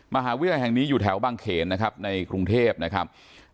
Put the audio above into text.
มหาวิทยาลัยแห่งนี้อยู่แถวบางเขนนะครับในกรุงเทพนะครับ